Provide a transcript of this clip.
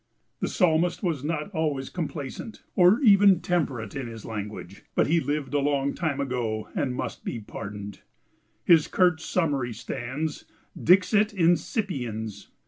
The Psalmist was not always complaisant or even temperate in his language, but he lived a long time ago and must be pardoned; his curt summary stands: "Dixit insipiens!"